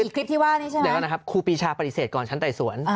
คลิปที่ว่านี้ใช่ไหมเดี๋ยวก่อนนะครับครูปีชาปฏิเสธก่อนชั้นไต่สวน